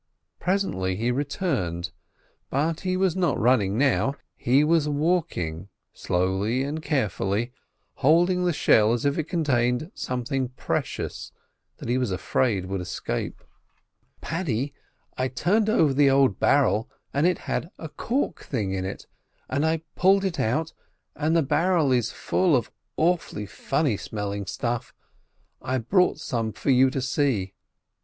Presently he returned; but he was not running now. He was walking slowly and carefully, holding the shell as if it contained something precious that he was afraid would escape. "Paddy, I turned over the old barrel and it had a cork thing in it, and I pulled it out, and the barrel is full of awfully funny smelling stuff—I've brought some for you to see."